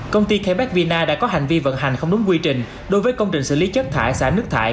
công ty kbvna đã có hành vi vận hành không đúng quy trình đối với công trình xử lý chất thải xã nước thải